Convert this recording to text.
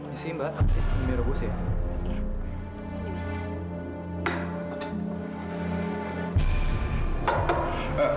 ini sih mbak